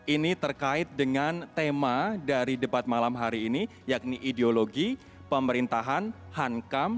ini terkait dengan tema dari debat malam hari ini yakni ideologi pemerintahan hankam